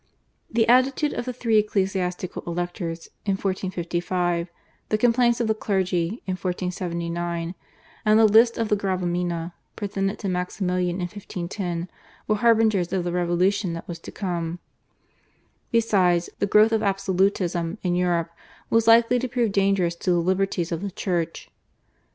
The attitude of the three ecclesiastical electors in 1455, the complaints of the clergy in 1479, and the list of /Gravamina/ presented to Maximilian in 1510 were harbingers of the revolution that was to come. Besides, the growth of absolutism in Europe was likely to prove dangerous to the liberties of the Church.